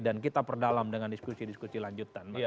dan kita perdalam dengan diskusi diskusi lanjutan